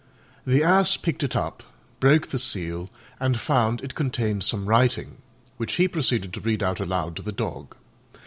The Ass picked it up, broke the seal, and found it contained some writing, which he proceeded to read out aloud to the Dog.